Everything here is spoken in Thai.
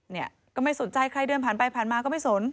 เนี่ยก็ไม่สนใจใครเดินผ่านไปผ่านมาก็ไม่สน